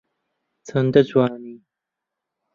چەندە جوانی